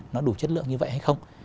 nó đủ chất lượng như vậy hay không